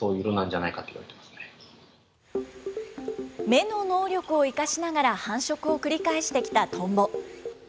目の能力を生かしながら繁殖を繰り返してきたトンボ。